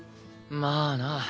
まあな。